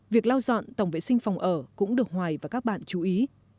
việc lau dọn tổng vệ sinh phòng ở cũng được hoài và các bạn chú ý